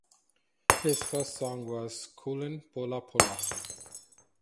His first song was "Kullen Pola Pola".